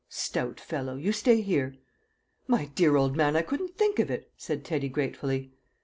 "Stout fellow! You stay here." "My dear old man, I couldn't think of it," said Teddy gratefully.